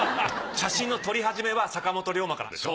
写真の撮り始めは坂本龍馬から。